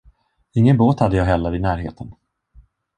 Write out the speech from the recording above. Ingen båt hade jag heller i närheten.